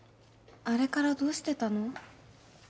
あれからどうしてたの？